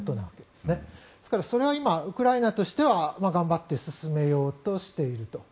ですからそれは今、ウクライナとしては頑張って進めようとしていると。